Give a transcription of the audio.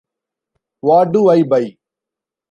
What do I buy?